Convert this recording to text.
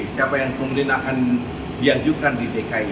siapa yang kemudian akan diajukan di dki